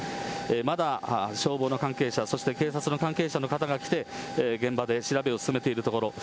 まだ消防の関係者、そして警察の関係者の方が来て、現場で調べを進めているところ。